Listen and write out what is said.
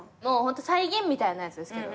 再現みたいなやつですけど。